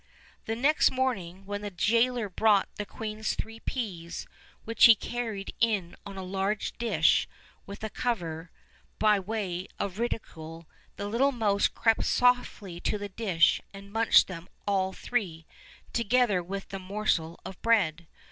The next morning, when the jailer brought the queen's three peas, which he carried in on a large dish with a cover, by way of ridicule, the little mouse crept softly to the dish and munched them all three, together with the morsel of bread.